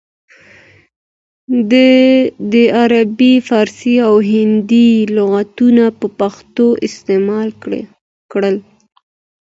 ده د عربي، فارسي او هندي لغاتونه په پښتو استعمال کړل